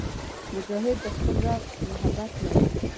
مجاهد د خپل رب محبت لري.